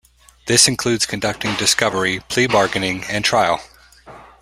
This includes conducting discovery, plea bargaining, and trial.